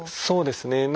そうですね。